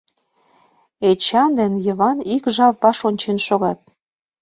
Эчан ден Йыван ик жап ваш ончен шогат.